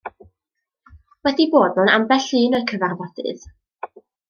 Wedi bod mewn ambell un o'u cyfarfodydd.